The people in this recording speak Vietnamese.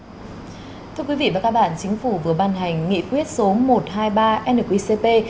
thưa quý vị và các bạn chính phủ vừa ban hành nghị quyết số một trăm hai mươi ba nqcp